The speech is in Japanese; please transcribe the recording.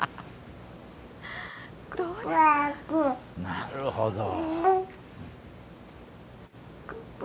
なるほど。